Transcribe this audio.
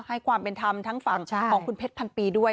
ให้ความเป็นธรรมทั้งฝั่งของคุณเพชรพันปีด้วย